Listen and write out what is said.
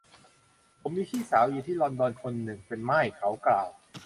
ผมมีพี่สาวอยู่ที่ลอนดอนคนนึง เป็นม่าย เขากล่าว